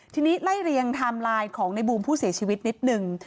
ทีนี้ไล่เรียงไทม์ไลน์ของในบูมผู้เสียชีวิตนิดนึง